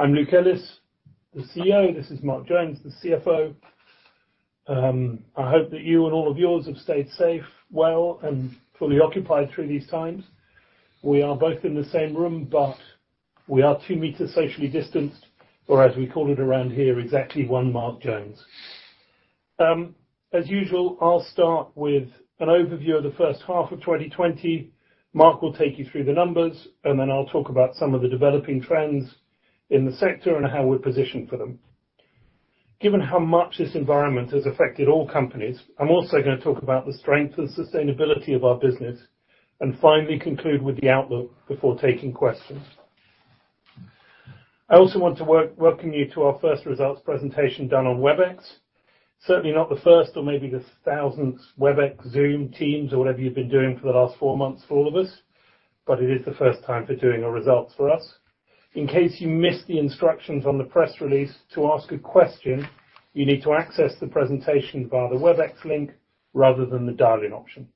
I'm Luke Ellis, the CEO. This is Mark Jones, the CFO. I hope that you and all of yours have stayed safe, well, and fully occupied through these times. We are both in the same room, we are two meters socially distanced, or as we call it around here, exactly one Mark Jones. As usual, I'll start with an overview of the first half of 2020. Mark will take you through the numbers, then I'll talk about some of the developing trends in the sector and how we're positioned for them. Given how much this environment has affected all companies, I'm also going to talk about the strength and sustainability of our business, finally conclude with the outlook before taking questions. I also want to welcome you to our first results presentation done on WebEx. Certainly not the first or maybe the thousandth Webex, Zoom, Teams, or whatever you've been doing for the last four months for all of us, but it is the first time for doing our results for us. In case you missed the instructions on the press release, to ask a question, you need to access the presentation via the Webex link rather than the dial-in option.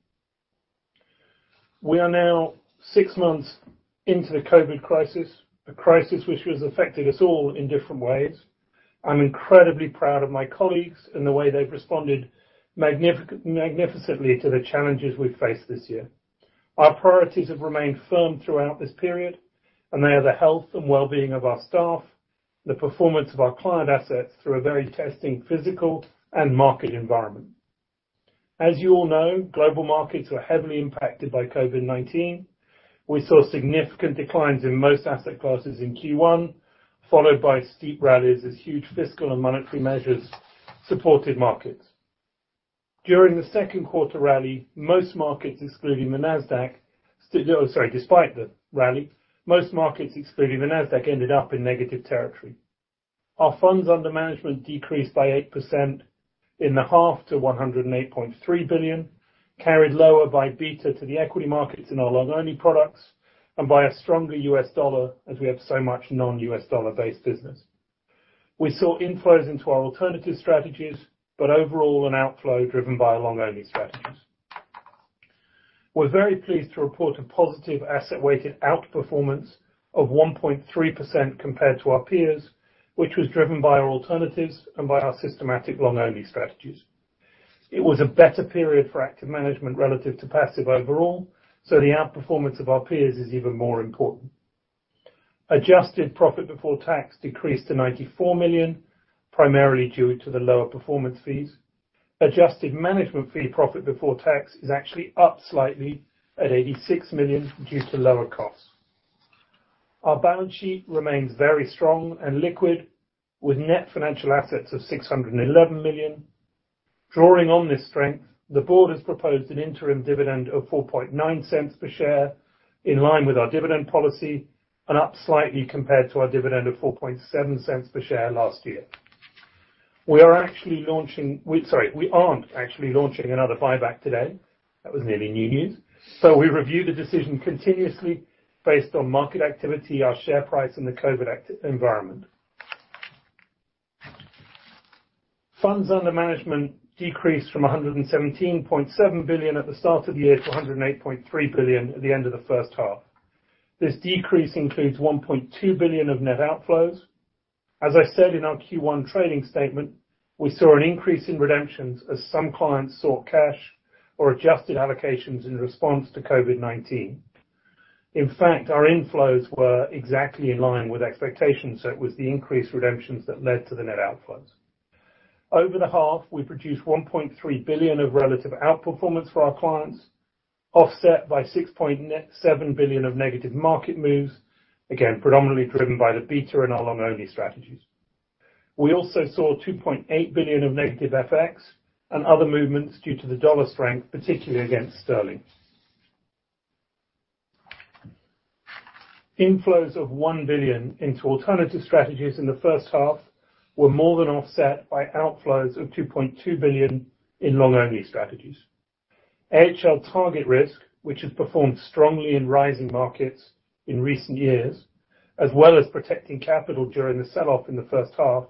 We are now six months into the COVID crisis, a crisis which has affected us all in different ways. I'm incredibly proud of my colleagues and the way they've responded magnificently to the challenges we've faced this year. Our priorities have remained firm throughout this period, and they are the health and well-being of our staff, the performance of our client assets through a very testing physical and market environment. As you all know, global markets were heavily impacted by COVID-19. We saw significant declines in most asset classes in Q1, followed by steep rallies as huge fiscal and monetary measures supported markets. During the second quarter rally, despite the rally, most markets, excluding the Nasdaq, ended up in negative territory. Our funds under management decreased by 8% in the half to 108.3 billion, carried lower by beta to the equity markets in our long-only products, and by a stronger USD as we have so much non-USD-based business. We saw inflows into our alternative strategies, but overall, an outflow driven by long-only strategies. We're very pleased to report a positive asset-weighted outperformance of 1.3% compared to our peers, which was driven by our alternatives and by our systematic long-only strategies. It was a better period for active management relative to passive overall. The outperformance of our peers is even more important. Adjusted profit before tax decreased to 94 million, primarily due to the lower performance fees. Adjusted management fee profit before tax is actually up slightly at 86 million due to lower costs. Our balance sheet remains very strong and liquid, with net financial assets of 611 million. Drawing on this strength, the board has proposed an interim dividend of 0.049 per share, in line with our dividend policy, and up slightly compared to our dividend of 0.047 per share last year. Sorry, we aren't actually launching another buyback today. That was nearly new news. We review the decision continuously based on market activity, our share price, and the COVID environment. Funds under management decreased from 117.7 billion at the start of the year to 108.3 billion at the end of the first half. This decrease includes 1.2 billion of net outflows. As I said in our Q1 trading statement, we saw an increase in redemptions as some clients sought cash or adjusted allocations in response to COVID-19. In fact, our inflows were exactly in line with expectations, so it was the increased redemptions that led to the net outflows. Over the half, we produced 1.3 billion of relative outperformance for our clients, offset by 6.7 billion of negative market moves, again, predominantly driven by the beta in our long-only strategies. We also saw 2.8 billion of negative FX and other movements due to the dollar strength, particularly against sterling. Inflows of 1 billion into alternative strategies in the first half were more than offset by outflows of 2.2 billion in long-only strategies. AHL TargetRisk, which has performed strongly in rising markets in recent years, as well as protecting capital during the sell-off in the first half,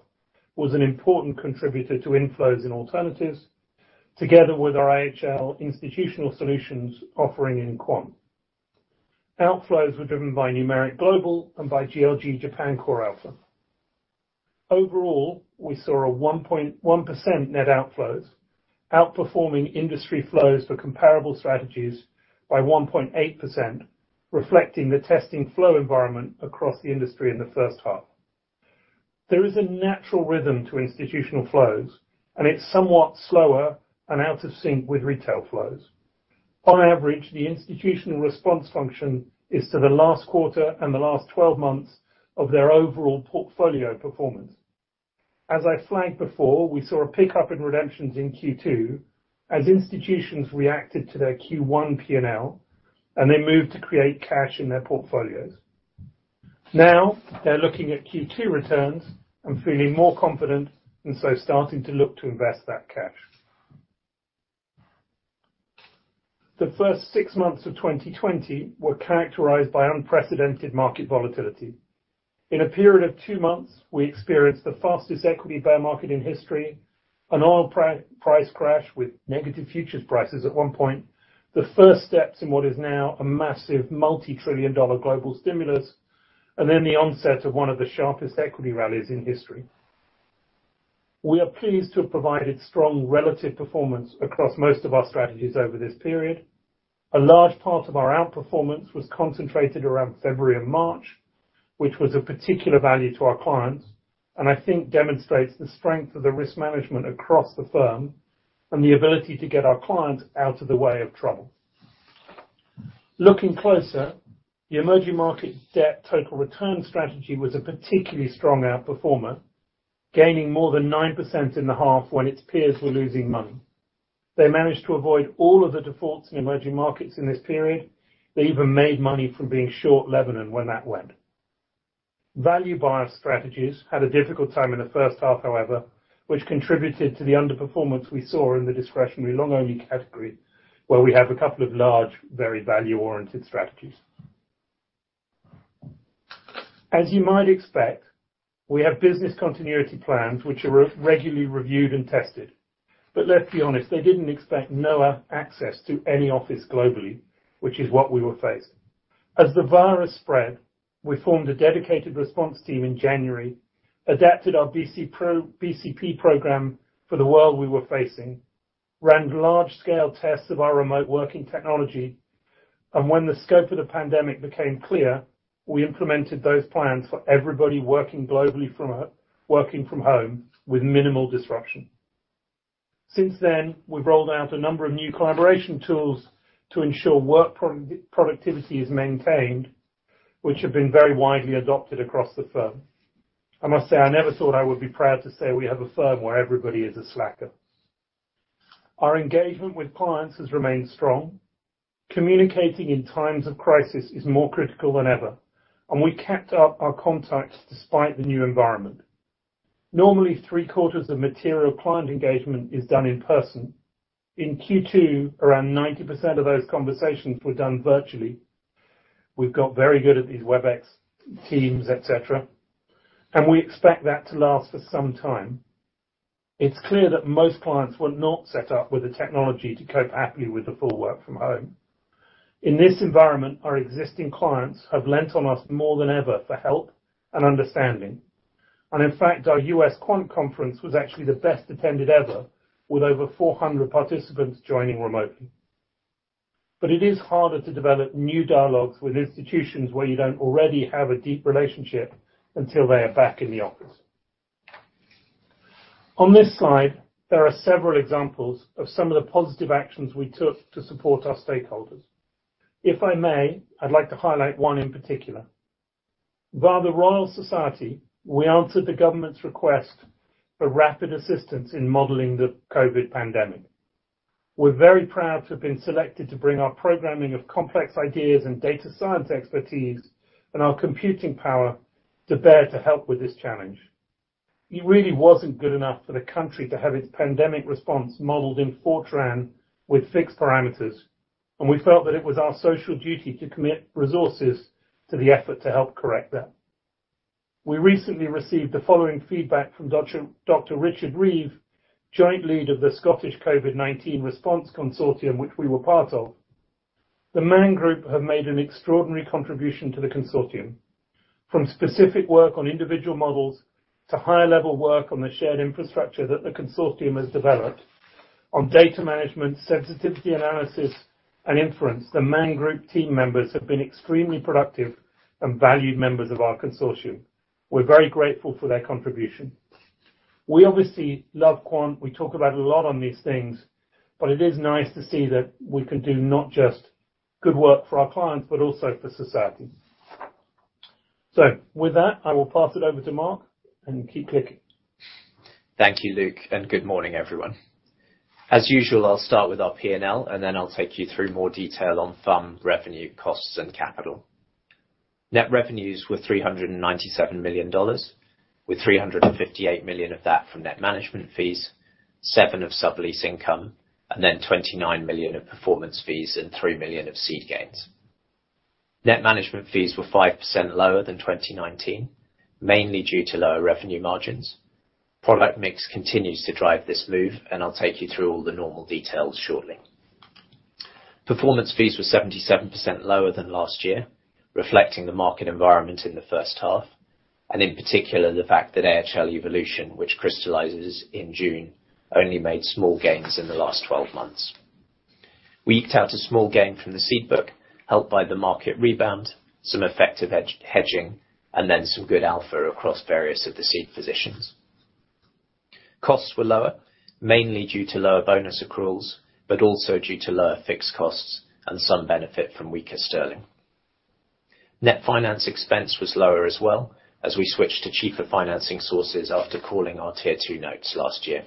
was an important contributor to inflows in alternatives, together with our AHL institutional solutions offering in quant. Outflows were driven by Numeric Global and by GLG Japan Core Alpha. Overall, we saw a 1% net outflows, outperforming industry flows for comparable strategies by 1.8%, reflecting the testing flow environment across the industry in the first half. There is a natural rhythm to institutional flows, and it's somewhat slower and out of sync with retail flows. On average, the institutional response function is to the last quarter and the last 12 months of their overall portfolio performance. As I flagged before, we saw a pickup in redemptions in Q2 as institutions reacted to their Q1 P&L, and they moved to create cash in their portfolios. They're looking at Q2 returns and feeling more confident, starting to look to invest that cash. The first six months of 2020 were characterized by unprecedented market volatility. In a period of two months, we experienced the fastest equity bear market in history. An oil price crash with negative futures prices at one point, the first steps in what is now a massive multi-trillion dollar global stimulus, the onset of one of the sharpest equity rallies in history. We are pleased to have provided strong relative performance across most of our strategies over this period. A large part of our outperformance was concentrated around February and March, which was of particular value to our clients, and I think demonstrates the strength of the risk management across the firm and the ability to get our clients out of the way of trouble. Looking closer, the Emerging Market Debt Total Return strategy was a particularly strong outperformer, gaining more than 9% in the half when its peers were losing money. They managed to avoid all of the defaults in emerging markets in this period. They even made money from being short Lebanon when that went. value bias strategies had a difficult time in the first half, however, which contributed to the underperformance we saw in the discretionary long-only category, where we have a couple of large, very value-oriented strategies. As you might expect, we have business continuity plans which are regularly reviewed and tested. Let's be honest, they didn't expect no access to any office globally, which is what we were faced. As the virus spread, we formed a dedicated response team in January, adapted our BCP program for the world we were facing, ran large-scale tests of our remote working technology, and when the scope of the pandemic became clear, we implemented those plans for everybody working globally from home with minimal disruption. Since then, we've rolled out a number of new collaboration tools to ensure work productivity is maintained, which have been very widely adopted across the firm. I must say, I never thought I would be proud to say we have a firm where everybody is a slacker. Our engagement with clients has remained strong. Communicating in times of crisis is more critical than ever, and we kept up our contacts despite the new environment. Normally, three-quarters of material client engagement is done in person. In Q2, around 90% of those conversations were done virtually. We've got very good at these Webex Teams, et cetera, and we expect that to last for some time. It's clear that most clients were not set up with the technology to cope aptly with the full work from home. In this environment, our existing clients have lent on us more than ever for help and understanding. In fact, our U.S. quant conference was actually the best attended ever with over 400 participants joining remotely. It is harder to develop new dialogues with institutions where you don't already have a deep relationship until they are back in the office. On this slide, there are several examples of some of the positive actions we took to support our stakeholders. If I may, I'd like to highlight one in particular. Via the Royal Society, we answered the government's request for rapid assistance in modeling the COVID pandemic. We're very proud to have been selected to bring our programming of complex ideas and data science expertise and our computing power to bear to help with this challenge. It really wasn't good enough for the country to have its pandemic response modeled in Fortran with fixed parameters, and we felt that it was our social duty to commit resources to the effort to help correct that. We recently received the following feedback from Dr. Richard Reeve, joint lead of the Scottish COVID-19 Response Consortium, which we were part of. The Man Group have made an extraordinary contribution to the consortium, from specific work on individual models to higher-level work on the shared infrastructure that the consortium has developed. On data management, sensitivity analysis, and inference, the Man Group team members have been extremely productive and valued members of our consortium. We're very grateful for their contribution. We obviously love quant. We talk about a lot on these things, but it is nice to see that we can do not just good work for our clients, but also for society. With that, I will pass it over to Mark and keep clicking. Thank you, Luke, and good morning, everyone. As usual, I'll start with our P&L, and then I'll take you through more detail on firm revenue, costs, and capital. Net revenues were GBP 397 million, with 358 million of that from net management fees, 7 million of sublease income, and then 29 million of performance fees and 3 million of seed gains. Net management fees were 5% lower than 2019, mainly due to lower revenue margins. Product mix continues to drive this move. I'll take you through all the normal details shortly. Performance fees were 77% lower than last year, reflecting the market environment in the first half, and in particular, the fact that AHL Evolution, which crystallizes in June, only made small gains in the last 12 months. We eked out a small gain from the seed book, helped by the market rebound, some effective hedging, and then some good alpha across various of the seed positions. Costs were lower, mainly due to lower bonus accruals, but also due to lower fixed costs and some benefit from weaker sterling. Net finance expense was lower as well as we switched to cheaper financing sources after calling our tier 2 notes last year.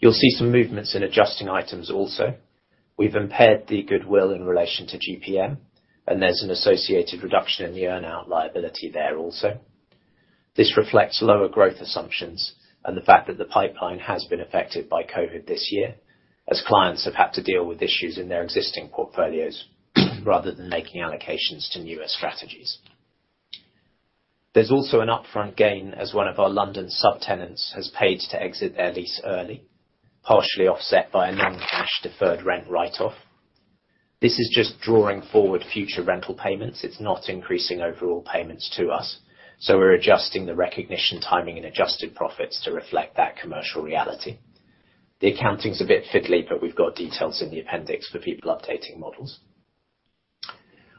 You'll see some movements in adjusting items also. We've impaired the goodwill in relation to GPM, and there's an associated reduction in the earn-out liability there also. This reflects lower growth assumptions and the fact that the pipeline has been affected by COVID this year as clients have had to deal with issues in their existing portfolios rather than making allocations to newer strategies. There's also an upfront gain as one of our London subtenants has paid to exit their lease early, partially offset by a non-cash deferred rent write-off. This is just drawing forward future rental payments. We're adjusting the recognition timing and adjusted profits to reflect that commercial reality. The accounting's a bit fiddly, but we've got details in the appendix for people updating models.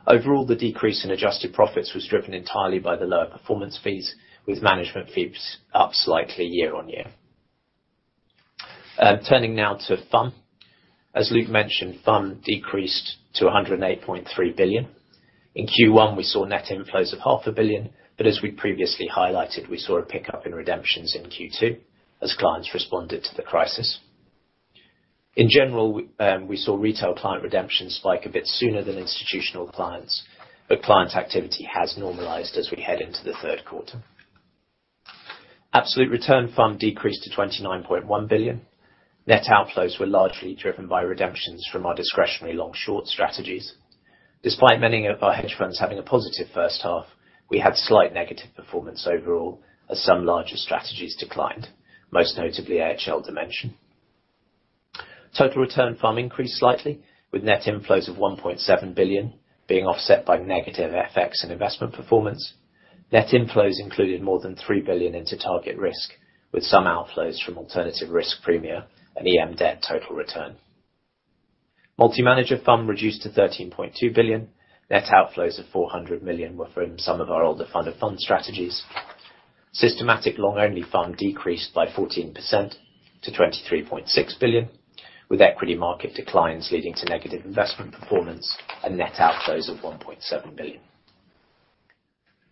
Overall, the decrease in adjusted profits was driven entirely by the lower performance fees, with management fees up slightly year on year. Turning now to fund. As Luke mentioned, fund decreased to 108.3 billion. In Q1, we saw net inflows of half a billion. As we previously highlighted, we saw a pickup in redemptions in Q2 as clients responded to the crisis. In general, we saw retail client redemptions spike a bit sooner than institutional clients, but client activity has normalized as we head into the third quarter. Absolute return fund decreased to 29.1 billion. Net outflows were largely driven by redemptions from our discretionary long-short strategies. Despite many of our hedge funds having a positive first half, we had slight negative performance overall as some larger strategies declined, most notably AHL Dimension. Total return fund increased slightly, with net inflows of 1.7 billion being offset by negative FX and investment performance. Net inflows included more than 3 billion into TargetRisk, with some outflows from alternative risk premia and EM debt total return. Multi-manager fund reduced to 13.2 billion. Net outflows of 400 million were from some of our older fund of fund strategies. Systematic long-only fund decreased by 14% to 23.6 billion, with equity market declines leading to negative investment performance and net outflows of 1.7 billion.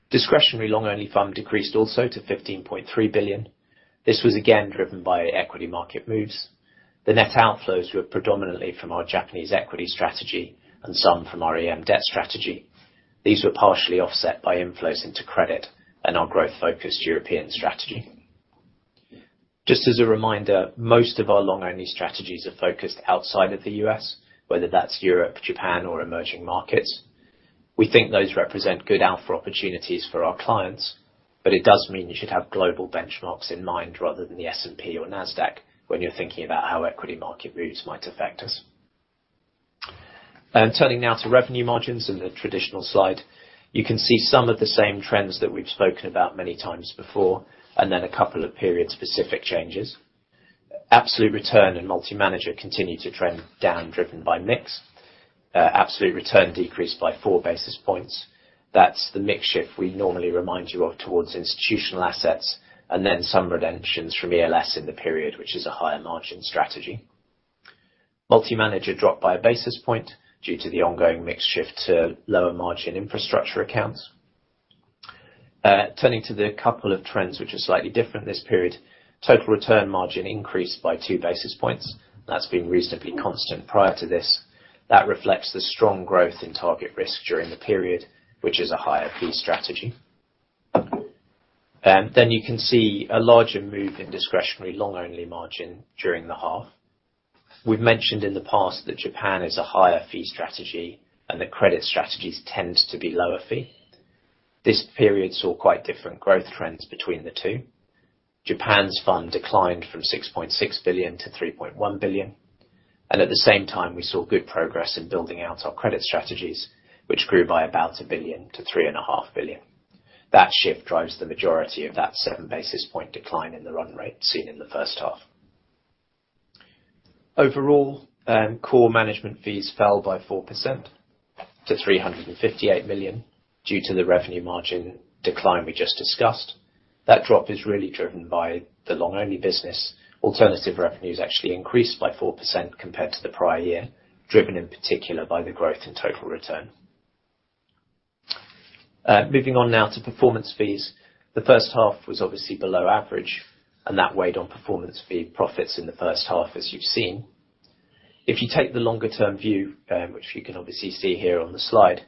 Discretionary long-only fund decreased also to 15.3 billion. This was again driven by equity market moves. The net outflows were predominantly from our Japanese equity strategy and some from our EM debt strategy. These were partially offset by inflows into credit and our growth-focused European strategy. Just as a reminder, most of our long-only strategies are focused outside of the U.S., whether that's Europe, Japan, or emerging markets. We think those represent good alpha opportunities for our clients. It does mean you should have global benchmarks in mind rather than the S&P or Nasdaq when you're thinking about how equity market moves might affect us. Turning now to revenue margins and the traditional slide. You can see some of the same trends that we've spoken about many times before, and then a couple of period-specific changes. Absolute return and multi-manager continue to trend down, driven by mix. Absolute return decreased by four basis points. That's the mix shift we normally remind you of towards institutional assets and then some redemptions from ELS in the period, which is a higher margin strategy. Multi-manager dropped by one basis point due to the ongoing mix shift to lower margin infrastructure accounts. Turning to the couple of trends which are slightly different this period. Total return margin increased by two basis points. That's been reasonably constant prior to this. That reflects the strong growth in TargetRisk during the period, which is a higher fee strategy. You can see a larger move in discretionary long-only margin during the half. We've mentioned in the past that Japan is a higher fee strategy and that credit strategies tend to be lower fee. This period saw quite different growth trends between the two. Japan Core Alpha declined from 6.6 billion to 3.1 billion, and at the same time, we saw good progress in building out our credit strategies, which grew by about 1 billion to 3.5 billion. That shift drives the majority of that seven basis point decline in the run rate seen in the first half. Overall, core management fees fell by 4% to 358 million due to the revenue margin decline we just discussed. That drop is really driven by the long-only business. Alternative revenues actually increased by 4% compared to the prior year, driven in particular by the growth in emerging market debt total return. Moving on now to performance fees. The first half was obviously below average, and that weighed on performance fee profits in the first half, as you've seen. If you take the longer-term view, which you can obviously see here on the slide,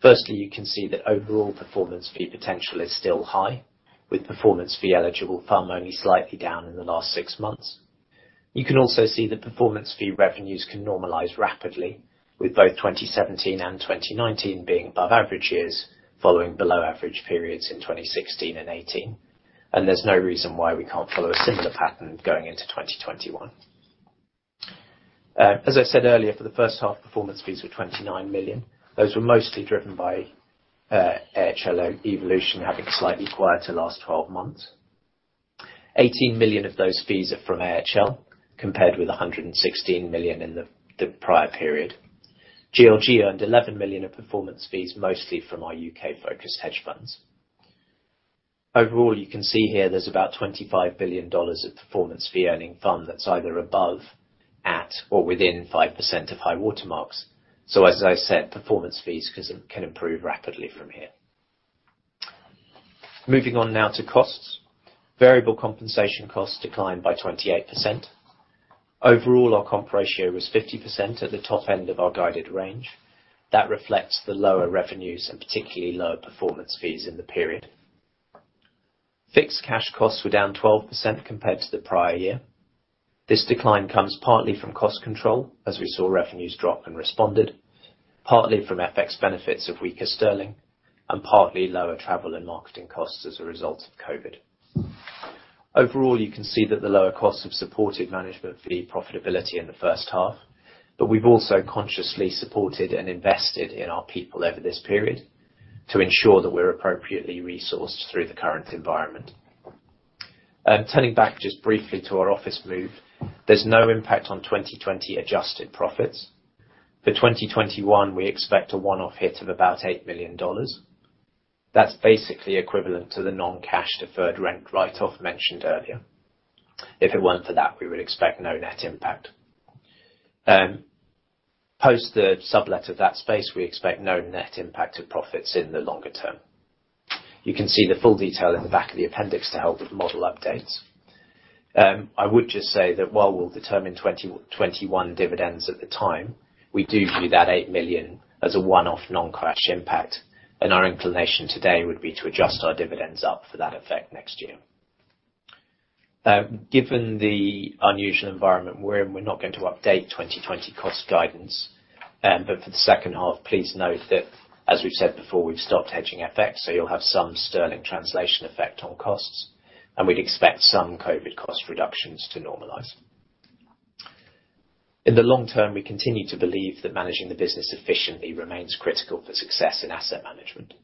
firstly, you can see that overall performance fee potential is still high, with performance fee eligible fund only slightly down in the last six months. You can also see that performance fee revenues can normalize rapidly with both 2017 and 2019 being above average years following below average periods in 2016 and 2018. There's no reason why we can't follow a similar pattern going into 2021. As I said earlier, for the first half, performance fees were 29 million. Those were mostly driven by AHL Evolution having a slightly quieter last 12 months. 18 million of those fees are from AHL, compared with 116 million in the prior period. GLG earned 11 million of performance fees, mostly from our U.K.-focused hedge funds. You can see here there's about GBP 25 billion of performance fee earning fund that's either above, at, or within 5% of high-water marks. As I said, performance fees can improve rapidly from here. Moving on now to costs. Variable compensation costs declined by 28%. Our comp ratio was 50% at the top end of our guided range. That reflects the lower revenues and particularly lower performance fees in the period. Fixed cash costs were down 12% compared to the prior year. This decline comes partly from cost control, as we saw revenues drop and responded, partly from FX benefits of weaker sterling, and partly lower travel and marketing costs as a result of COVID. Overall, you can see that the lower costs have supported management fee profitability in the first half, but we've also consciously supported and invested in our people over this period to ensure that we're appropriately resourced through the current environment. Turning back just briefly to our office move, there's no impact on 2020 adjusted profits. For 2021, we expect a one-off hit of about GBP 8 million. That's basically equivalent to the non-cash deferred rent write-off mentioned earlier. If it weren't for that, we would expect no net impact. Post the sublet of that space, we expect no net impact to profits in the longer term. You can see the full detail at the back of the appendix to help with model updates. I would just say that while we'll determine 2021 dividends at the time, we do view that 8 million as a one-off non-cash impact, and our inclination today would be to adjust our dividends up for that effect next year. Given the unusual environment we're in, we're not going to update 2020 cost guidance. For the second half, please note that, as we've said before, we've stopped hedging FX, so you'll have some sterling translation effect on costs, and we'd expect some COVID cost reductions to normalize. In the long term, we continue to believe that managing the business efficiently remains critical for success in asset management.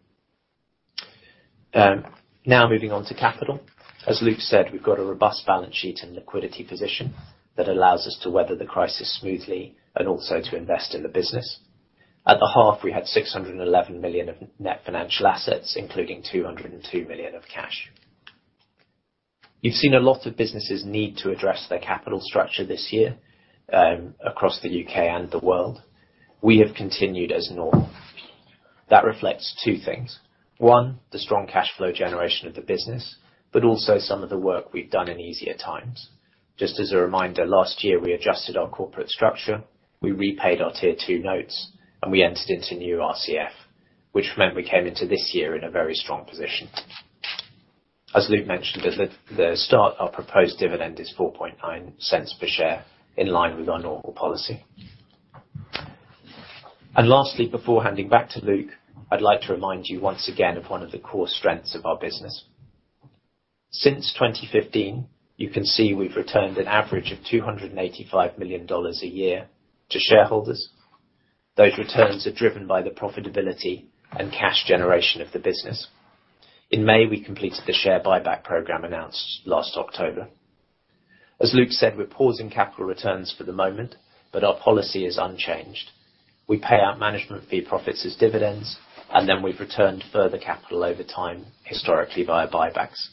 Moving on to capital. As Luke said, we've got a robust balance sheet and liquidity position that allows us to weather the crisis smoothly, and also to invest in the business. At the half, we had 611 million of net financial assets, including 202 million of cash. You've seen a lot of businesses need to address their capital structure this year, across the U.K. and the world. We have continued as normal. That reflects two things. One, the strong cash flow generation of the business, but also some of the work we've done in easier times. Just as a reminder, last year, we adjusted our corporate structure, we repaid our tier 2 notes, and we entered into new RCF, which meant we came into this year in a very strong position. As Luke mentioned at the start, our proposed dividend is 0.049 per share, in line with our normal policy. Lastly, before handing back to Luke, I'd like to remind you once again of one of the core strengths of our business. Since 2015, you can see we've returned an average of GBP 285 million a year to shareholders. Those returns are driven by the profitability and cash generation of the business. In May, we completed the share buyback program announced last October. As Luke said, we're pausing capital returns for the moment, but our policy is unchanged. We pay out management fee profits as dividends, and then we've returned further capital over time, historically, via buybacks.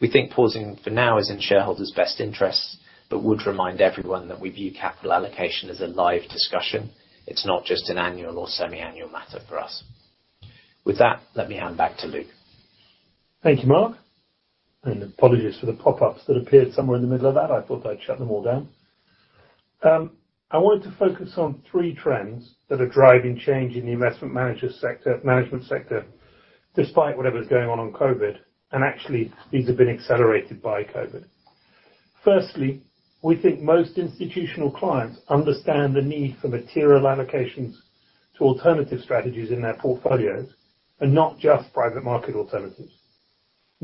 We think pausing for now is in shareholders' best interests, but would remind everyone that we view capital allocation as a live discussion. It's not just an annual or semiannual matter for us. With that, let me hand back to Luke. Thank you, Mark, and apologies for the pop-ups that appeared somewhere in the middle of that. I thought I'd shut them all down. I wanted to focus on three trends that are driving change in the investment management sector, despite whatever's going on with COVID. Actually, these have been accelerated by COVID. Firstly, we think most institutional clients understand the need for material allocations to alternative strategies in their portfolios, and not just private market alternatives.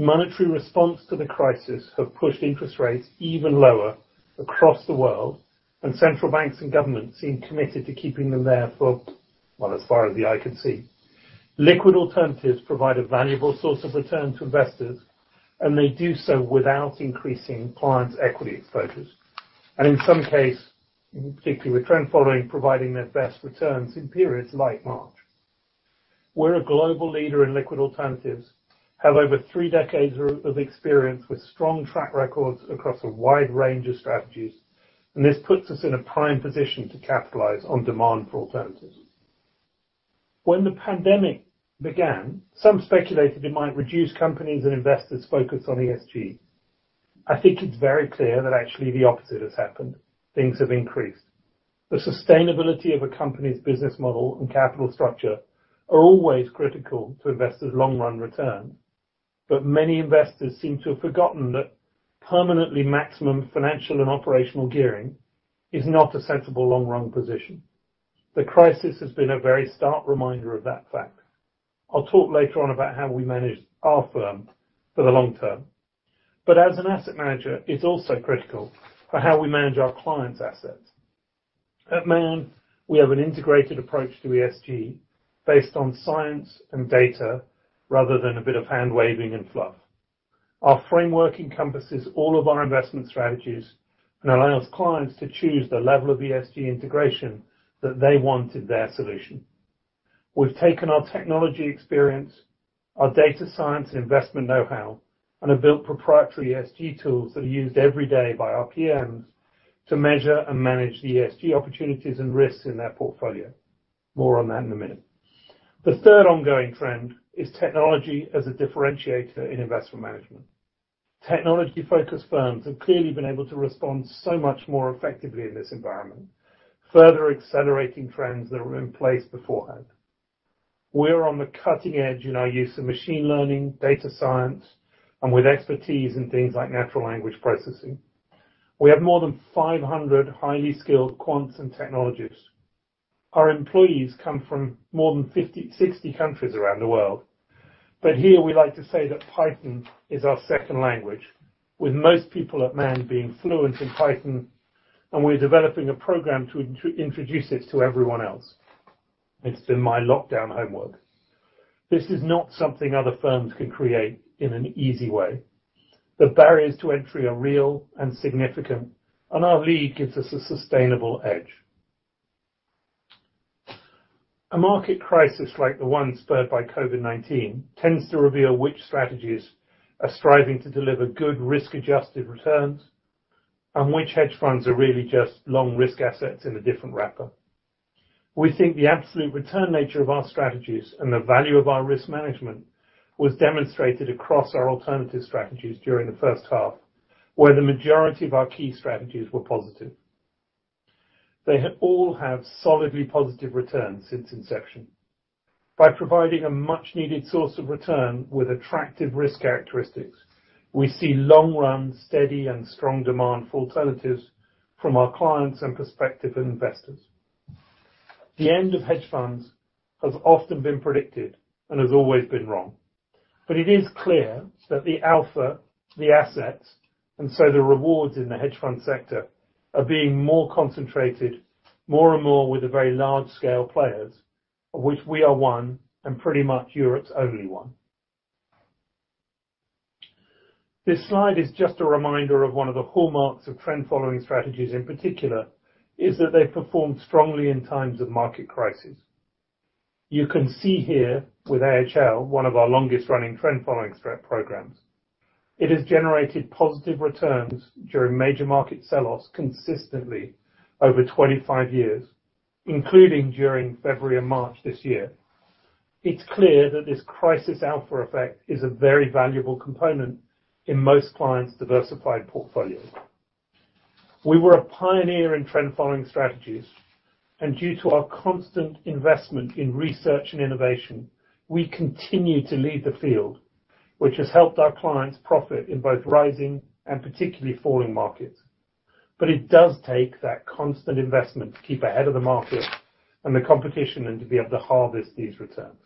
Monetary responses to the crisis have pushed interest rates even lower across the world, and central banks and governments seem committed to keeping them there for, well, as far as the eye can see. Liquid alternatives provide a valuable source of return to investors, and they do so without increasing clients' equity exposures. In some case, particularly with trend following, providing their best returns in periods like March. We're a global leader in liquid alternatives, have over three decades of experience with strong track records across a wide range of strategies, and this puts us in a prime position to capitalize on demand for alternatives. When the pandemic began, some speculated it might reduce companies and investors' focus on ESG. I think it's very clear that actually the opposite has happened. Things have increased. The sustainability of a company's business model and capital structure are always critical to investors' long-run return. Many investors seem to have forgotten that permanently maximum financial and operational gearing is not a sensible long-run position. The crisis has been a very stark reminder of that fact. I'll talk later on about how we manage our firm for the long term. As an asset manager, it's also critical for how we manage our clients' assets. At Man, we have an integrated approach to ESG based on science and data rather than a bit of hand-waving and fluff. Our framework encompasses all of our investment strategies and allows clients to choose the level of ESG integration that they want in their solution. We've taken our technology experience, our data science investment knowhow, and have built proprietary ESG tools that are used every day by our PMs to measure and manage the ESG opportunities and risks in their portfolio. More on that in a minute. The third ongoing trend is technology as a differentiator in investment management. Technology-focused firms have clearly been able to respond so much more effectively in this environment, further accelerating trends that were in place beforehand. We're on the cutting edge in our use of machine learning, data science, and with expertise in things like natural language processing. We have more than 500 highly skilled quants and technologists. Our employees come from more than 60 countries around the world. Here, we like to say that Python is our second language, with most people at Man being fluent in Python, and we're developing a program to introduce it to everyone else. It's been my lockdown homework. This is not something other firms can create in an easy way. The barriers to entry are real and significant, and our lead gives us a sustainable edge. A market crisis like the one spurred by COVID-19 tends to reveal which strategies are striving to deliver good risk-adjusted returns and which hedge funds are really just long risk assets in a different wrapper. We think the absolute return nature of our strategies and the value of our risk management was demonstrated across our alternative strategies during the first half, where the majority of our key strategies were positive. They all have solidly positive returns since inception. By providing a much-needed source of return with attractive risk characteristics, we see long-run steady and strong demand for alternatives from our clients and prospective investors. The end of hedge funds has often been predicted and has always been wrong. It is clear that the alpha, the assets, and so the rewards in the hedge fund sector, are being more concentrated more and more with the very large-scale players, of which we are one, and pretty much Europe's only one. This slide is just a reminder of one of the hallmarks of trend following strategies in particular is that they've performed strongly in times of market crisis. You can see here with AHL, one of our longest-running trend following spread programs. It has generated positive returns during major market sell-offs consistently over 25 years, including during February and March this year. It's clear that this crisis alpha effect is a very valuable component in most clients' diversified portfolios. Due to our constant investment in research and innovation, we continue to lead the field, which has helped our clients profit in both rising and particularly falling markets. It does take that constant investment to keep ahead of the market and the competition, and to be able to harvest these returns.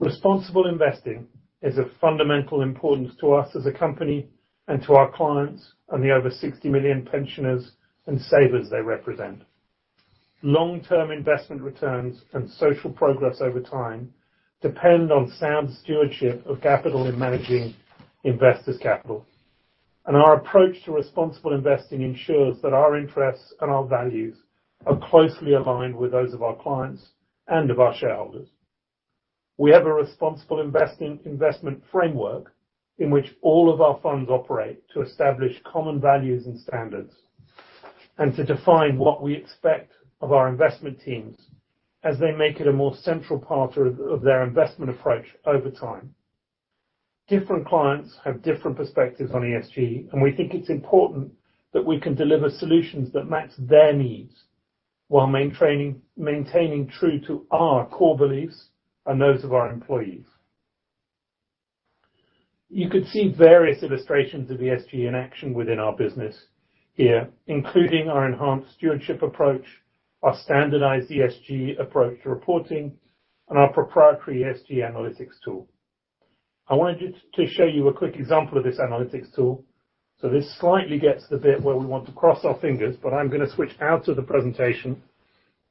Responsible investing is of fundamental importance to us as a company and to our clients and the over 60 million pensioners and savers they represent. Long-term investment returns and social progress over time depend on sound stewardship of capital in managing investors' capital. Our approach to responsible investing ensures that our interests and our values are closely aligned with those of our clients and of our shareholders. We have a responsible investment framework in which all of our funds operate to establish common values and standards and to define what we expect of our investment teams as they make it a more central part of their investment approach over time. Different clients have different perspectives on ESG, and we think it's important that we can deliver solutions that match their needs while maintaining true to our core beliefs and those of our employees. You could see various illustrations of ESG in action within our business here, including our enhanced stewardship approach, our standardized ESG approach to reporting, and our proprietary ESG analytics tool. I wanted to show you a quick example of this analytics tool. This slightly gets to the bit where we want to cross our fingers, but I'm going to switch out of the presentation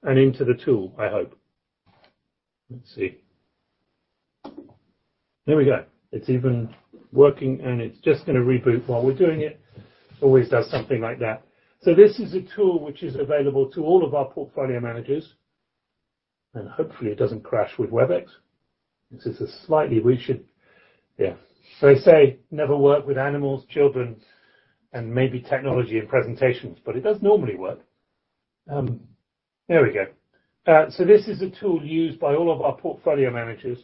and into the tool, I hope. Let's see. There we go. It's even working, and it's just going to reboot while we're doing it. Always does something like that. This is a tool which is available to all of our portfolio managers, and hopefully it doesn't crash with Webex. They say never work with animals, children, and maybe technology in presentations, but it does normally work. There we go. This is a tool used by all of our portfolio managers,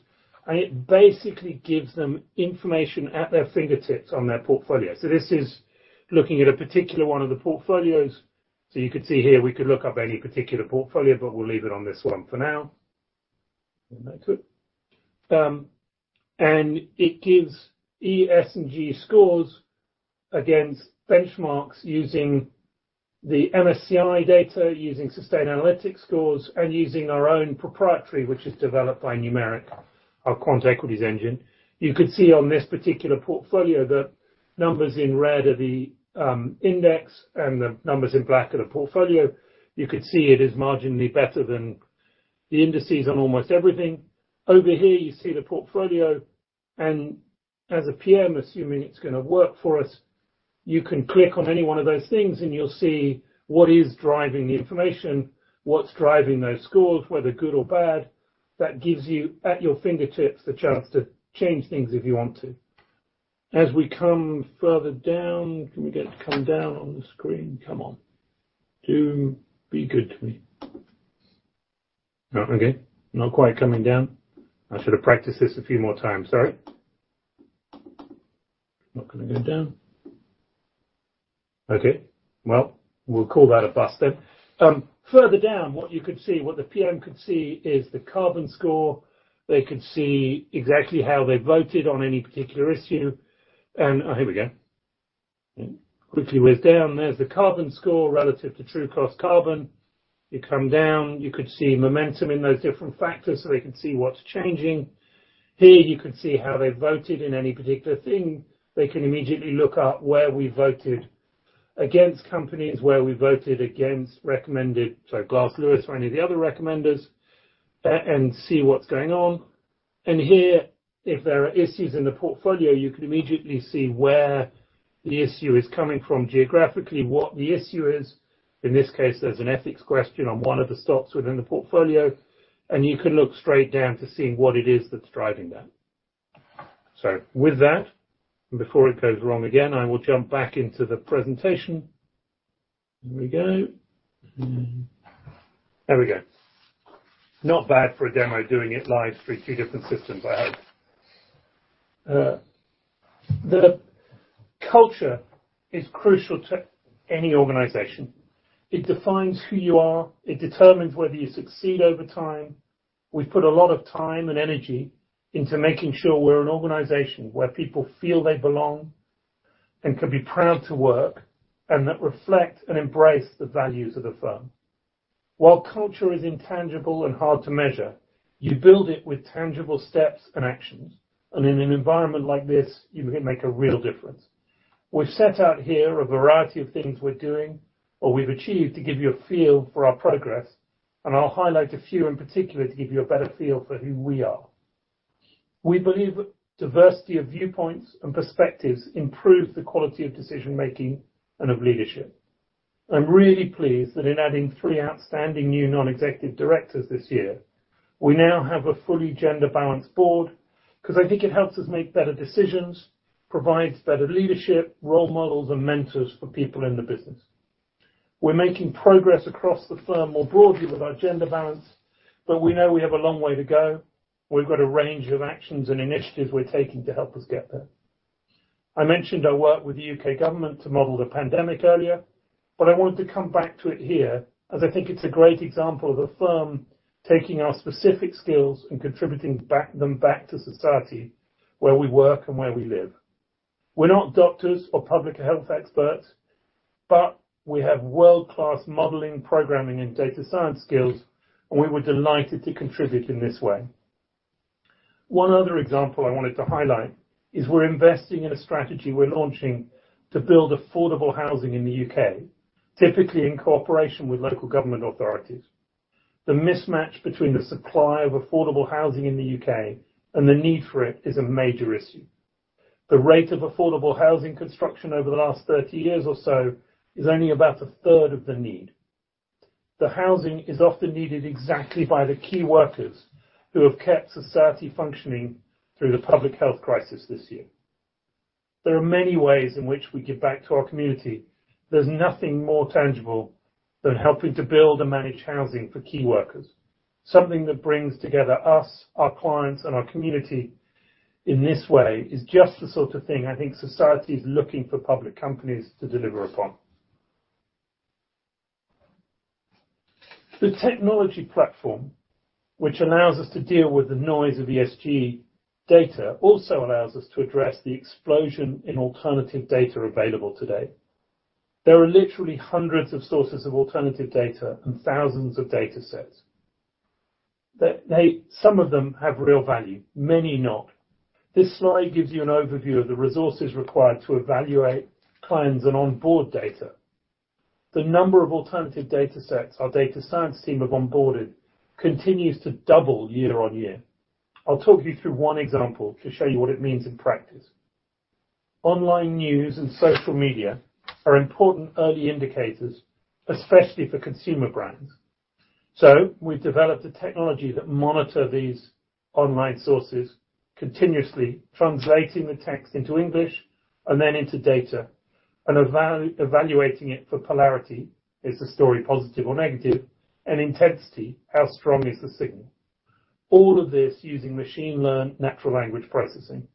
and it basically gives them information at their fingertips on their portfolio. This is looking at a particular one of the portfolios. You could see here, we could look up any particular portfolio, but we'll leave it on this one for now. That's it. It gives E, S, and G scores against benchmarks using the MSCI data, using Sustainalytics scores, and using our own proprietary, which is developed by Numeric, our quant equities engine. You could see on this particular portfolio, the numbers in red are the index and the numbers in black are the portfolio. You could see it is marginally better than the indices on almost everything. Over here, you see the portfolio. As a PM, assuming it's going to work for us, you can click on any one of those things and you'll see what is driving the information, what's driving those scores, whether good or bad. That gives you, at your fingertips, the chance to change things if you want to. We come further down. Can we get to come down on the screen? Come on. Zoom, be good to me. Okay. Not quite coming down. I should have practiced this a few more times, sorry. Not going to go down. Okay. Well, we'll call that a bust then. Further down, what you could see, what the PM could see is the carbon score. They could see exactly how they voted on any particular issue. Here we go. Quickly whizz down. There's the carbon score relative to Trucost carbon. You come down, you could see momentum in those different factors so they can see what's changing. Here you could see how they voted in any particular thing. They can immediately look at where we voted against companies, where we voted against recommended, so Glass Lewis or any of the other recommenders, and see what's going on. Here, if there are issues in the portfolio, you could immediately see where the issue is coming from geographically, what the issue is. In this case, there's an ethics question on one of the stocks within the portfolio, and you can look straight down to see what it is that's driving that. With that, before it goes wrong again, I will jump back into the presentation. Here we go. There we go. Not bad for a demo doing it live through two different systems, I hope. The culture is crucial to any organization. It defines who you are. It determines whether you succeed over time. We've put a lot of time and energy into making sure we're an organization where people feel they belong and can be proud to work, and that reflect and embrace the values of the firm. While culture is intangible and hard to measure, you build it with tangible steps and actions. In an environment like this, you can make a real difference. We've set out here a variety of things we're doing or we've achieved to give you a feel for our progress, and I'll highlight a few in particular to give you a better feel for who we are. We believe diversity of viewpoints and perspectives improves the quality of decision-making and of leadership. I'm really pleased that in adding three outstanding new non-executive directors this year, we now have a fully gender-balanced board, because I think it helps us make better decisions, provides better leadership, role models, and mentors for people in the business. We're making progress across the firm more broadly with our gender balance. We know we have a long way to go. We've got a range of actions and initiatives we're taking to help us get there. I mentioned our work with the U.K. government to model the pandemic earlier. I wanted to come back to it here as I think it's a great example of a firm taking our specific skills and contributing them back to society where we work and where we live. We're not doctors or public health experts, but we have world-class modeling, programming, and data science skills, and we were delighted to contribute in this way. One other example I wanted to highlight is we're investing in a strategy we're launching to build affordable housing in the U.K., typically in cooperation with local government authorities. The mismatch between the supply of affordable housing in the U.K. and the need for it is a major issue. The rate of affordable housing construction over the last 30 years or so is only about a third of the need. The housing is often needed exactly by the key workers who have kept society functioning through the public health crisis this year. There are many ways in which we give back to our community. There's nothing more tangible than helping to build and manage housing for key workers. Something that brings together us, our clients, and our community in this way is just the sort of thing I think society's looking for public companies to deliver upon. The technology platform, which allows us to deal with the noise of ESG data, also allows us to address the explosion in alternative data available today. There are literally hundreds of sources of alternative data and thousands of datasets. Some of them have real value, many not. This slide gives you an overview of the resources required to evaluate clients and onboard data. The number of alternative datasets our data science team have onboarded continues to double year on year. I'll talk you through one example to show you what it means in practice. Online news and social media are important early indicators, especially for consumer brands. We've developed a technology that monitor these online sources, continuously translating the text into English and then into data and evaluating it for polarity, is the story positive or negative, and intensity, how strong is the signal. All of this using machine-learned natural language processing.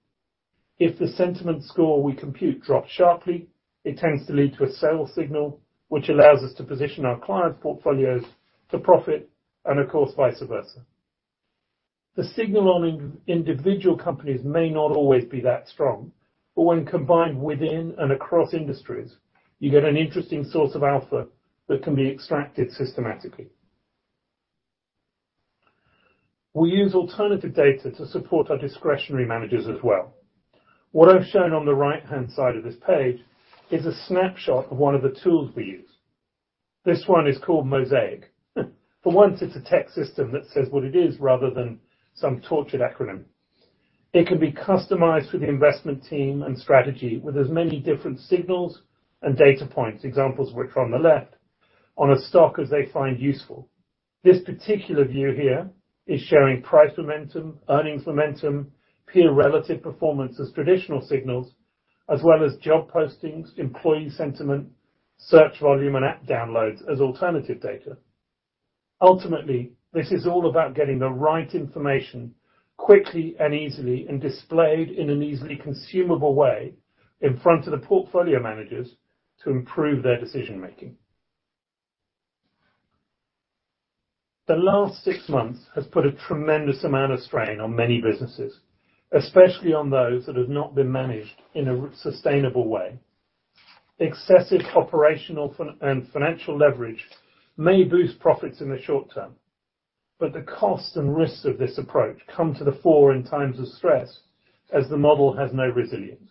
If the sentiment score we compute drops sharply, it tends to lead to a sell signal, which allows us to position our clients' portfolios to profit, and of course, vice versa. The signal on individual companies may not always be that strong, but when combined within and across industries, you get an interesting source of alpha that can be extracted systematically. We use alternative data to support our discretionary managers as well. What I've shown on the right-hand side of this page is a snapshot of one of the tools we use. This one is called Mosaic. For once, it's a tech system that says what it is rather than some tortured acronym. It can be customized for the investment team and strategy with as many different signals and data points, examples of which are on the left, on a stock as they find useful. This particular view here is showing price momentum, earnings momentum, peer relative performance as traditional signals, as well as job postings, employee sentiment, search volume and app downloads as alternative data. Ultimately, this is all about getting the right information quickly and easily, and displayed in an easily consumable way in front of the portfolio managers to improve their decision-making. The last six months has put a tremendous amount of strain on many businesses, especially on those that have not been managed in a sustainable way. Excessive operational and financial leverage may boost profits in the short term, but the costs and risks of this approach come to the fore in times of stress as the model has no resilience.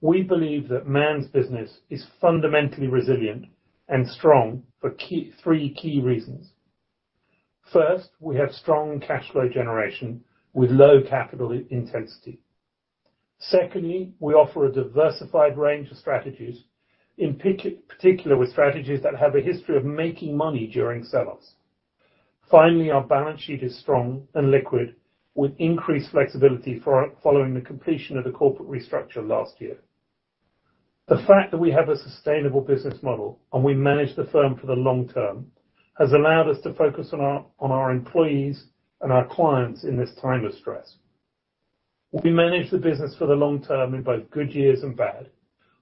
We believe that Man's business is fundamentally resilient and strong for three key reasons. First, we have strong cash flow generation with low capital intensity. Secondly, we offer a diversified range of strategies, in particular with strategies that have a history of making money during sell-offs. Finally, our balance sheet is strong and liquid, with increased flexibility following the completion of the corporate restructure last year. The fact that we have a sustainable business model and we manage the firm for the long term, has allowed us to focus on our employees and our clients in this time of stress. We manage the business for the long term in both good years and bad.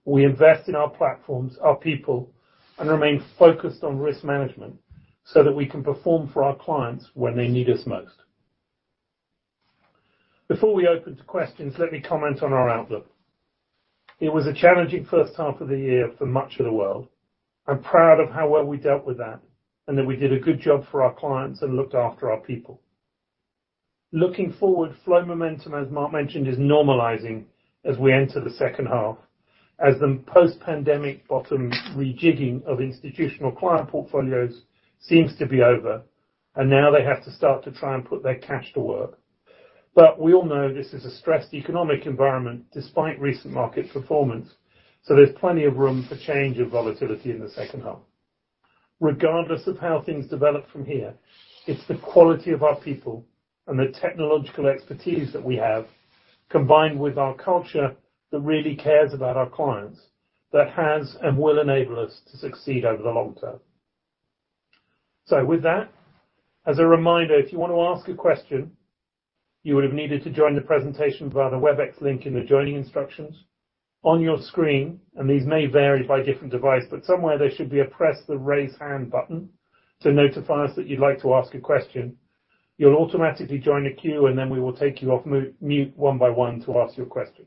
We invest in our platforms, our people, and remain focused on risk management so that we can perform for our clients when they need us most. Before we open to questions, let me comment on our outlook. It was a challenging first half of the year for much of the world. I'm proud of how well we dealt with that, and that we did a good job for our clients and looked after our people. Looking forward, flow momentum, as Mark mentioned, is normalizing as we enter the second half, as the post-pandemic bottom rejigging of institutional client portfolios seems to be over. Now they have to start to try and put their cash to work. We all know this is a stressed economic environment despite recent market performance, so there's plenty of room for change of volatility in the second half. Regardless of how things develop from here, it's the quality of our people and the technological expertise that we have, combined with our culture that really cares about our clients, that has and will enable us to succeed over the long term. With that, as a reminder, if you want to ask a question, you would have needed to join the presentation via the Webex link in the joining instructions. On your screen, and these may vary by different device, but somewhere there should be a press the raise hand button to notify us that you'd like to ask a question. You'll automatically join a queue, we will take you off mute one by one to ask your question.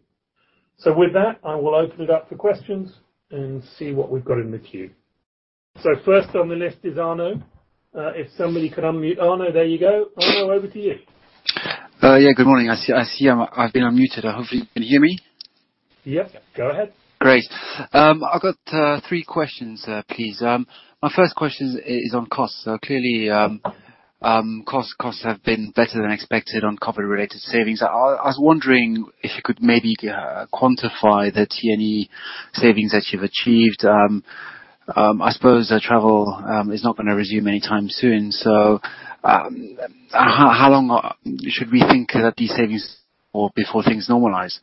With that, I will open it up for questions and see what we've got in the queue. First on the list is Arnaud. If somebody could unmute Arnaud. There you go. Arnaud, over to you. Yeah, good morning. I see I've been unmuted. I hope you can hear me. Yep, go ahead. Great. I've got three questions, please. My first question is on costs. Clearly, costs have been better than expected on COVID-related savings. I was wondering if you could maybe quantify the T&E savings that you've achieved. I suppose travel is not going to resume anytime soon. How long should we think these savings or before things normalize?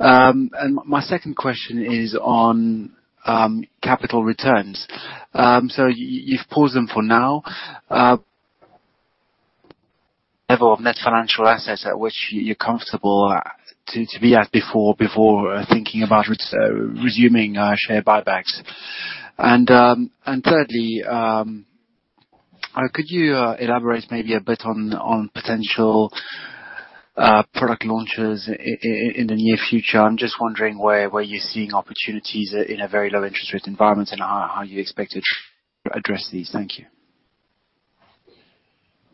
My second question is on capital returns. You've paused them for now. Level of net financial assets at which you're comfortable to be at before thinking about resuming share buybacks. Thirdly, could you elaborate maybe a bit on potential product launches in the near future? I'm just wondering where you're seeing opportunities in a very low interest rate environment, and how you expect to address these. Thank you.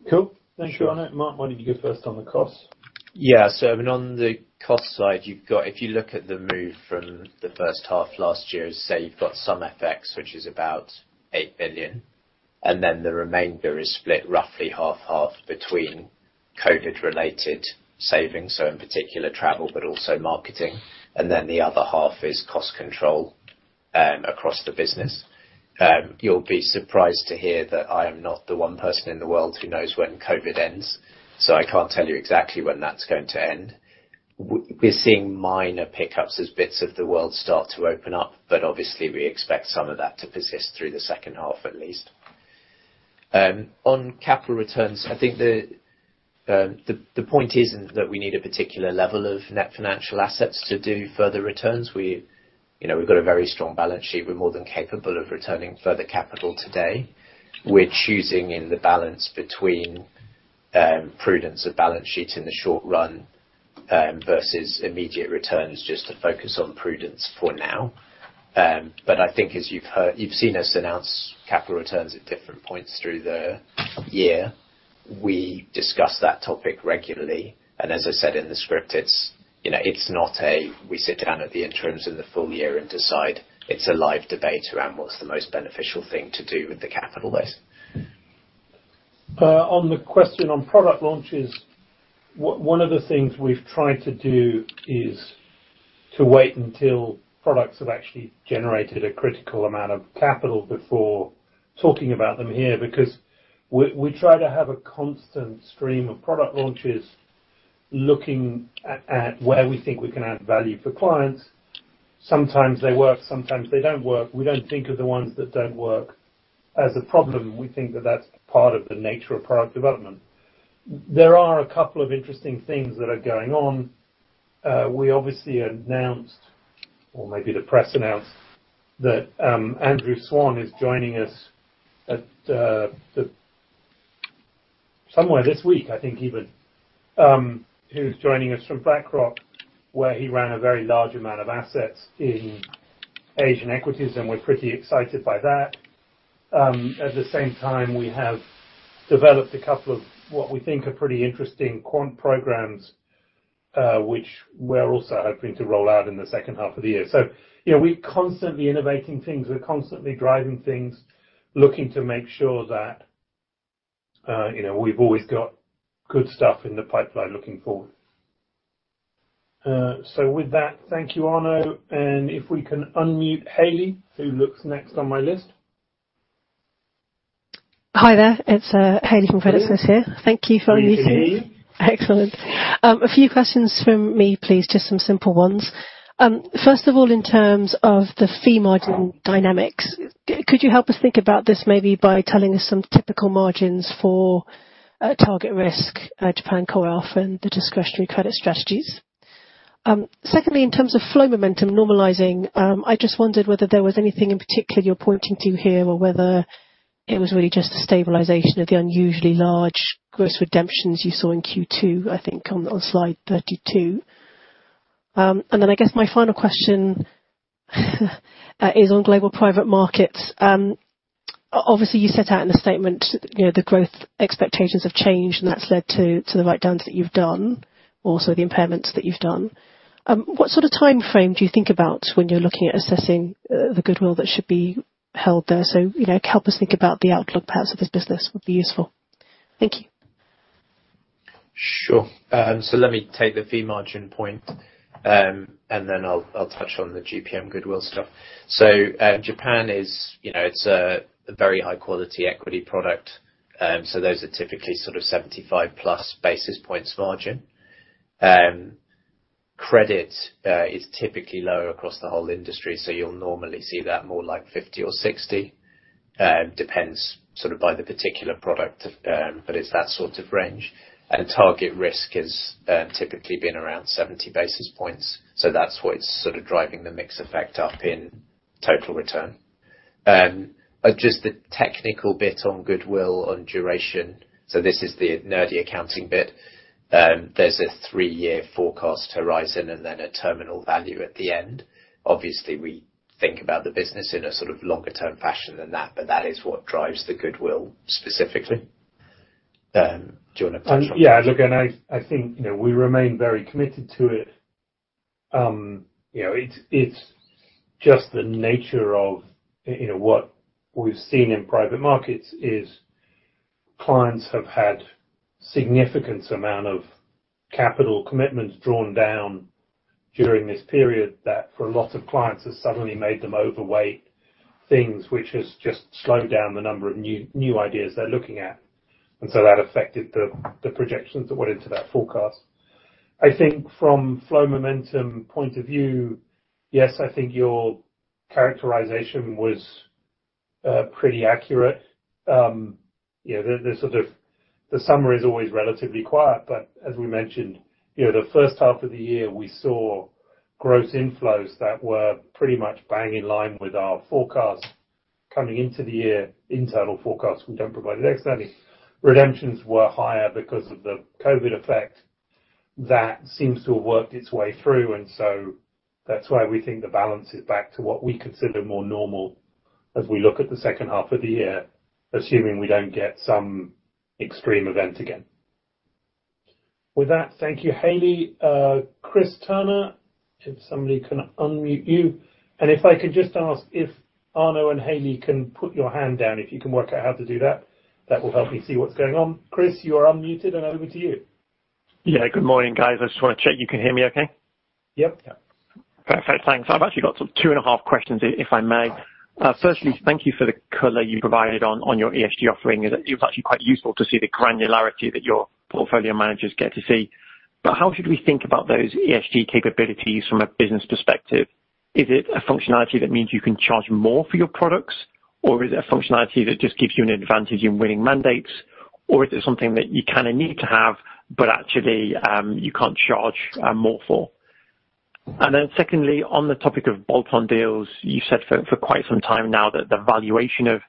Cool. Thanks, Arnaud. Mark, why don't you go first on the cost? On the cost side, if you look at the move from the first half last year, you've got some FX, which is about 8 billion, then the remainder is split roughly half-half between COVID-related savings, so in particular travel, but also marketing. Then the other half is cost control across the business. You'll be surprised to hear that I am not the one person in the world who knows when COVID ends, I can't tell you exactly when that's going to end. We're seeing minor pickups as bits of the world start to open up, obviously we expect some of that to persist through the second half at least. On capital returns, I think the point isn't that we need a particular level of net financial assets to do further returns. We've got a very strong balance sheet. We're more than capable of returning further capital today. We're choosing in the balance between prudence of balance sheet in the short run versus immediate returns, just to focus on prudence for now. I think as you've seen us announce capital returns at different points through the year, we discuss that topic regularly, and as I said in the script, it's not a we sit down at the interims and the full year and decide. It's a live debate around what's the most beneficial thing to do with the capital base. On the question on product launches, one of the things we've tried to do is to wait until products have actually generated a critical amount of capital before talking about them here. We try to have a constant stream of product launches, looking at where we think we can add value for clients. Sometimes they work, sometimes they don't work. We don't think of the ones that don't work as a problem. We think that that's part of the nature of product development. There are a couple of interesting things that are going on. We obviously announced, or maybe the press announced, that Andrew Swan is joining us at the Somewhere this week, I think, even. Who's joining us from BlackRock, where he ran a very large amount of assets in Asian equities, and we're pretty excited by that. At the same time, we have developed a couple of what we think are pretty interesting quant programs, which we're also hoping to roll out in the second half of the year. We're constantly innovating things. We're constantly driving things. We're looking to make sure that we've always got good stuff in the pipeline looking forward. With that, thank you, Arnaud. If we can unmute Haley, who looks next on my list. Hi there, it's Haley from Credit Suisse here. Thank you for unmuting. Good to hear you. Excellent. A few questions from me, please. Just some simple ones. First of all, in terms of the fee margin dynamics, could you help us think about this maybe by telling us some typical margins for target risk, Japan Core Alpha, and the discretionary credit strategies? Secondly, in terms of flow momentum normalizing, I just wondered whether there was anything in particular you're pointing to here, or whether it was really just a stabilization of the unusually large gross redemptions you saw in Q2, I think on slide 32. I guess my final question is on global private markets. Obviously, you set out in the statement the growth expectations have changed, and that's led to the write-downs that you've done, also the impairments that you've done. What sort of timeframe do you think about when you're looking at assessing the goodwill that should be held there? Help us think about the outlook, perhaps, of this business would be useful. Thank you. Sure. Let me take the fee margin point, and then I'll touch on the GPM goodwill stuff. Japan is a very high-quality equity product. Those are typically sort of 75+ basis points margin. Credit is typically lower across the whole industry, so you'll normally see that more like 50 basis points or 60 basis points. Depends by the particular product, but it's that sort of range. TargetRisk has typically been around 70 basis points, so that's why it's sort of driving the mix effect up in Total Return. Just the technical bit on goodwill on duration. This is the nerdy accounting bit. There's a three-year forecast horizon and then a terminal value at the end. Obviously, we think about the business in a sort of longer-term fashion than that, but that is what drives the goodwill specifically. Do you want to touch on it? Yeah, look, I think we remain very committed to it. It's just the nature of what we've seen in private markets is clients have had significant amount of capital commitments drawn down during this period that, for a lot of clients, has suddenly made them overweight things, which has just slowed down the number of new ideas they're looking at. That affected the projections that went into that forecast. I think from flow momentum point of view, yes, I think your characterization was pretty accurate. The summer is always relatively quiet, as we mentioned, the first half of the year, we saw gross inflows that were pretty much bang in line with our forecast coming into the year. Internal forecast, we don't provide it externally. Redemptions were higher because of the COVID effect. That seems to have worked its way through, and so that's why we think the balance is back to what we consider more normal as we look at the second half of the year, assuming we don't get some extreme event again. With that, thank you, Haley. Chris Turner, if somebody can unmute you. If I could just ask if Arnaud and Haley can put your hand down, if you can work out how to do that will help me see what's going on. Chris, you are unmuted, and over to you. Yeah, good morning, guys. I just want to check you can hear me okay. Yep. Yeah. Perfect. Thanks. I've actually got two and a half questions, if I may. Sure. Thank you for the color you provided on your ESG offering. It was actually quite useful to see the granularity that your portfolio managers get to see. How should we think about those ESG capabilities from a business perspective? Is it a functionality that means you can charge more for your products, or is it a functionality that just gives you an advantage in winning mandates, or is it something that you kind of need to have, but actually, you can't charge more for? Secondly, on the topic of bolt-on deals, you said for quite some time now that the valuation of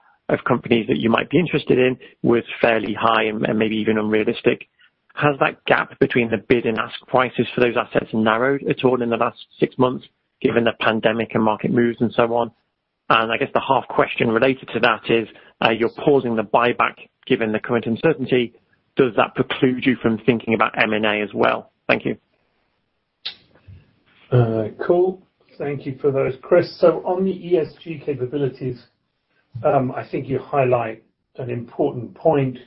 companies that you might be interested in was fairly high and maybe even unrealistic. Has that gap between the bid and ask prices for those assets narrowed at all in the last six months given the pandemic and market moves and so on? I guess the half question related to that is, you're pausing the buyback given the current uncertainty. Does that preclude you from thinking about M&A as well? Thank you. Cool. Thank you for those, Chris. On the ESG capabilities, I think you highlight an important point.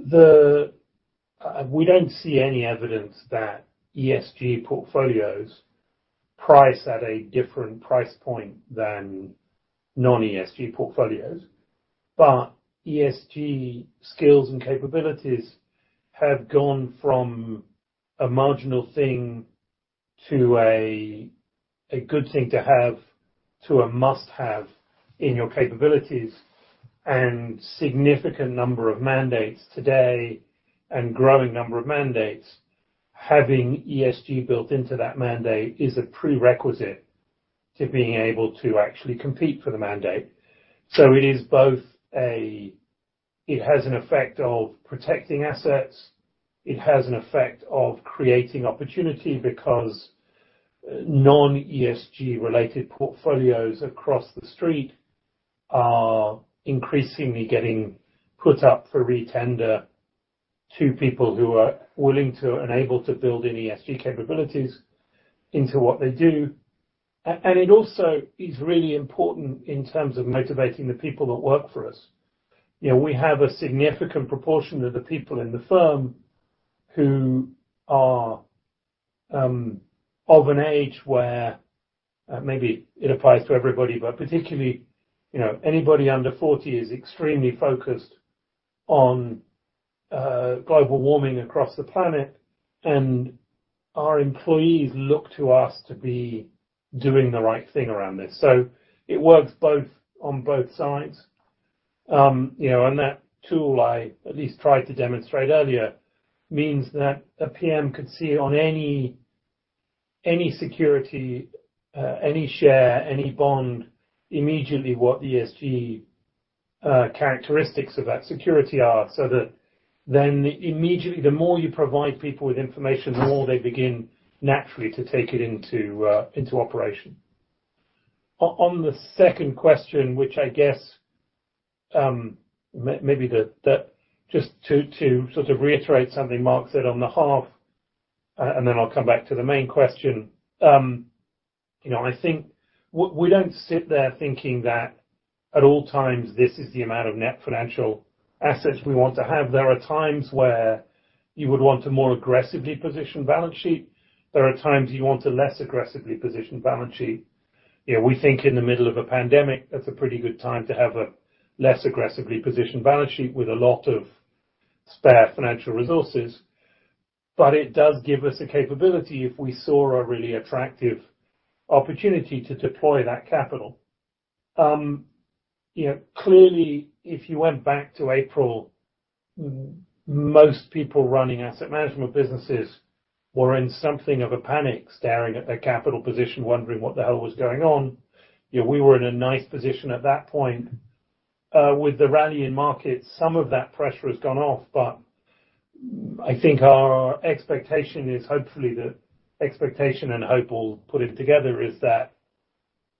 We don't see any evidence that ESG portfolios priced at a different price point than non-ESG portfolios. ESG skills and capabilities have gone from a marginal thing to a good thing to have, to a must-have in your capabilities, and significant number of mandates today and growing number of mandates. Having ESG built into that mandate is a prerequisite to being able to actually compete for the mandate. It has an effect of protecting assets. It has an effect of creating opportunity because non-ESG related portfolios across the street are increasingly getting put up for re-tender to people who are willing to and able to build in ESG capabilities into what they do. It also is really important in terms of motivating the people that work for us. We have a significant proportion of the people in the firm who are of an age where, maybe it applies to everybody, but particularly, anybody under 40 is extremely focused on global warming across the planet, and our employees look to us to be doing the right thing around this. It works both on both sides. That tool, I at least tried to demonstrate earlier, means that a PM could see on any security, any share, any bond, immediately what the ESG characteristics of that security are, so that then immediately, the more you provide people with information, the more they begin naturally to take it into operation. On the second question, which I guess, maybe just to reiterate something Mark said on the half, and then I'll come back to the main question. I think we don't sit there thinking that at all times, this is the amount of net financial assets we want to have. There are times where you would want a more aggressively positioned balance sheet. There are times you want a less aggressively positioned balance sheet. We think in the middle of a pandemic, that's a pretty good time to have a less aggressively positioned balance sheet with a lot of spare financial resources. It does give us a capability if we saw a really attractive opportunity to deploy that capital. Clearly, if you went back to April, most people running asset management businesses were in something of a panic, staring at their capital position, wondering what the hell was going on. We were in a nice position at that point. With the rally in markets, some of that pressure has gone off, I think our expectation is hopefully, the expectation and hope will put it together, is that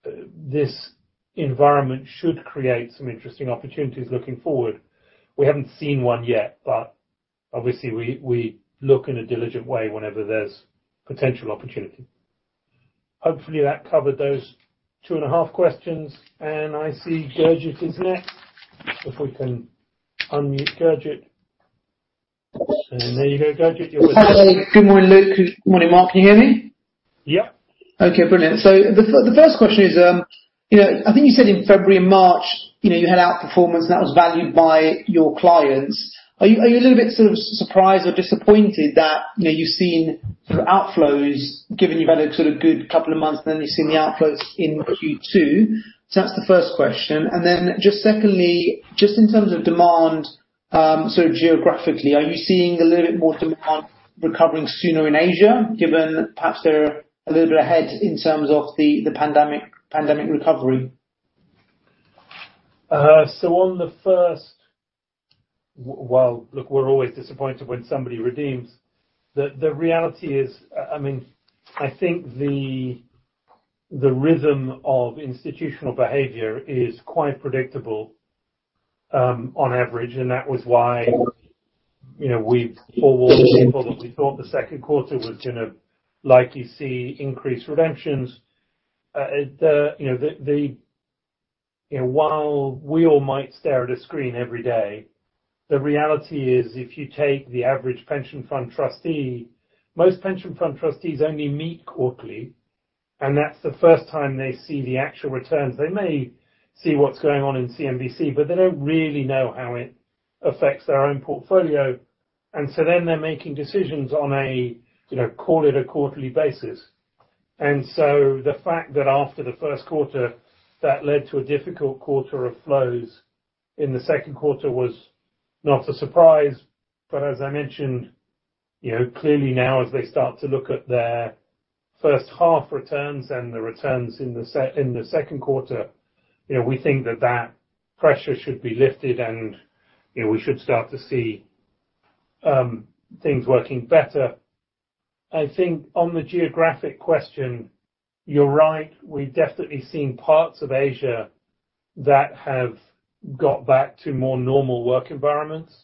this environment should create some interesting opportunities looking forward. We haven't seen one yet, obviously we look in a diligent way whenever there's potential opportunity. Hopefully, that covered those two and a half questions. I see Gurjit is next. If we can unmute Gurjit. There you go, Gurjit. Hi. Good morning, Luke. Good morning, Mark. Can you hear me? Yep. Okay, brilliant. The first question is, I think you said in February and March, you had outperformance that was valued by your clients. Are you a little bit sort of surprised or disappointed that, you've seen sort of outflows, given you've had a sort of good couple of months and then you've seen the outflows in Q2? That's the first question. Secondly, just in terms of demand, sort of geographically, are you seeing a little bit more demand recovering sooner in Asia, given perhaps they're a little bit ahead in terms of the pandemic recovery? Well, look, we're always disappointed when somebody redeems. The reality is, I think the rhythm of institutional behavior is quite predictable, on average, and that was why, we forewarned people that we thought the second quarter was gonna likely see increased redemptions. While we all might stare at a screen every day, the reality is if you take the average pension fund trustee, most pension fund trustees only meet quarterly, and that's the first time they see the actual returns. They may see what's going on in CNBC, but they don't really know how it affects their own portfolio. Then they're making decisions on a, call it a quarterly basis. The fact that after the first quarter, that led to a difficult quarter of flows in the second quarter was not a surprise. As I mentioned, clearly now as they start to look at their first half returns and the returns in the second quarter, we think that that pressure should be lifted, and we should start to see things working better. I think on the geographic question, you're right, we've definitely seen parts of Asia that have got back to more normal work environments.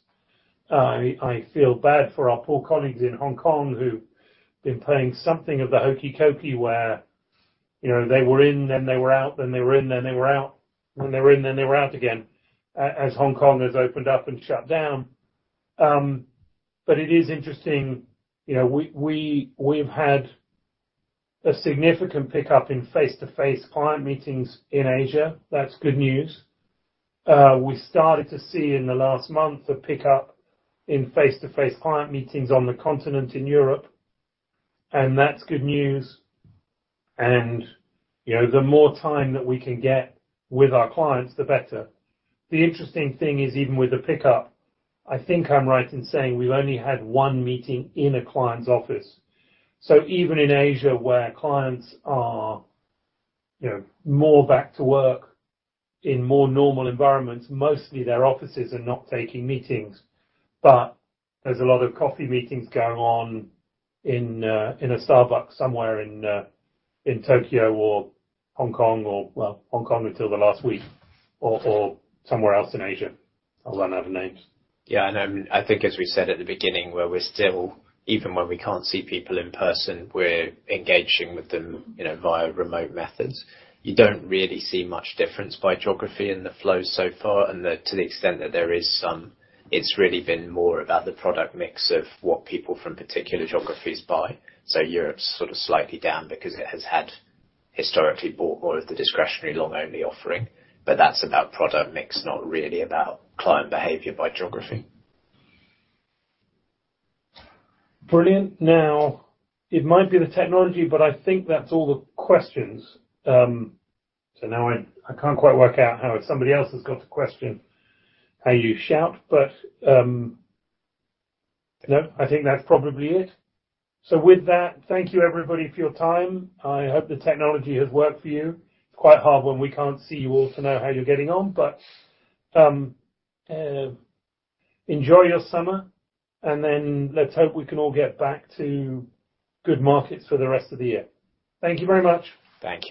I feel bad for our poor colleagues in Hong Kong who've been playing something of the hokey cokey where they were in, then they were out, then they were in, then they were out, then they were in, then they were out again, as Hong Kong has opened up and shut down. It is interesting, we've had a significant pickup in face-to-face client meetings in Asia. That's good news. We started to see in the last month, a pickup in face-to-face client meetings on the continent in Europe. That's good news. The more time that we can get with our clients, the better. The interesting thing is, even with the pickup, I think I'm right in saying we've only had one meeting in a client's office. Even in Asia, where clients are more back to work in more normal environments, mostly their offices are not taking meetings, but there's a lot of coffee meetings going on in a Starbucks somewhere in Tokyo or Hong Kong or Hong Kong until the last week, or somewhere else in Asia. I run out of names. Yeah, I know. I think as we said at the beginning, we're still, even when we can't see people in person, we're engaging with them via remote methods. You don't really see much difference by geography in the flow so far. To the extent that there is some, it's really been more about the product mix of what people from particular geographies buy. Europe's sort of slightly down because it has historically bought more of the discretionary long-only offering. That's about product mix, not really about client behavior by geography. Brilliant. It might be the technology, but I think that's all the questions. I can't quite work out how if somebody else has got a question, how you shout. No, I think that's probably it. With that, thank you everybody for your time. I hope the technology has worked for you. It's quite hard when we can't see you all to know how you're getting on. Enjoy your summer, and let's hope we can all get back to good markets for the rest of the year. Thank you very much. Thanks.